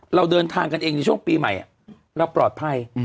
เราเดินทางกันเองในช่วงปีใหม่เราปลอดภัย